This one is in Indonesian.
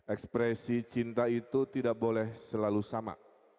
ekspresi cinta itu tidak boleh selalu sama